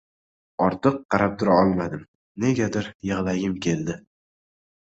Ortiq qarab turolmadim. Negadir yig‘lagim keldi.